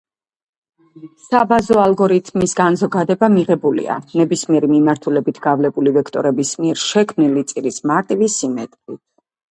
საბაზო ალგორითმის განზოგადება მიღებულია, ნებისმიერი მიმართულებით გავლებული ვექტორების მიერ შექმნილი წირის მარტივი სიმეტრიით.